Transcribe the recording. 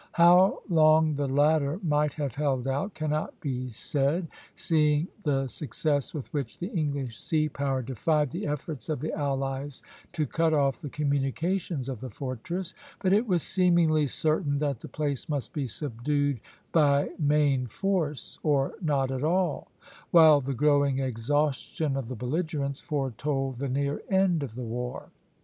How long the latter might have held out cannot be said, seeing the success with which the English sea power defied the efforts of the allies to cut off the communications of the fortress; but it was seemingly certain that the place must be subdued by main force or not at all, while the growing exhaustion of the belligerents foretold the near end of the war.